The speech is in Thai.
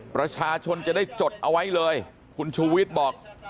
ประชาชนจะได้จดเอาไว้เลยคุณชูวิทย์บอก